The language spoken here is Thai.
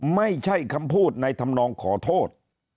ไม่ใช่คำพูดในธรรมนองขอโทษ